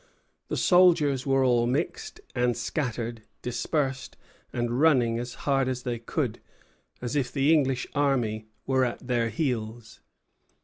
The soldiers were all mixed, scattered, dispersed, and running as hard as they could, as if the English army were at their heels."